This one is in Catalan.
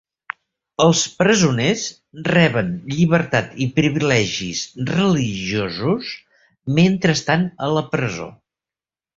Els presoners reben llibertat i privilegis religiosos mentre estan a la presó.